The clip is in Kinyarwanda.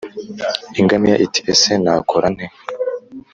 ingamiya iti: ese'nakora nte,